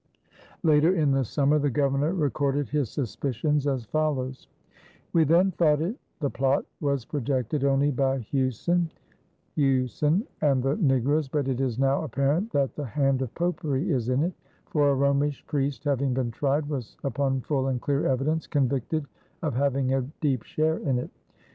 Later in the summer the Governor recorded his suspicions as follows: We then thought it [the] Plot was projected only by Huson [Hughson] and the Negroes; but it is now apparent that the hand of popery is in it, for a Romish Priest having been tryed, was upon full and clear evidence convicted of having a deep share in it....